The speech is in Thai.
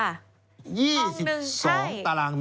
ได้ค่ะโลกห้องหนึ่ง๒๒ตรมฯ